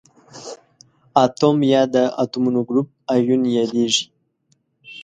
اتوم یا د اتومونو ګروپ ایون یادیږي.